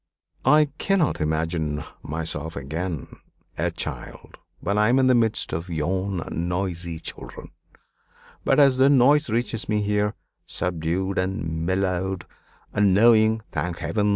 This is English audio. "I cannot imagine myself again a child when I am in the midst of yon noisy children. But as their noise reaches me here, subdued and mellowed; and knowing, thank Heaven!